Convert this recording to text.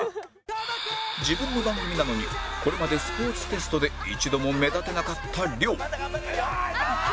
自分の番組なのにこれまでスポーツテストで一度も目立てなかった亮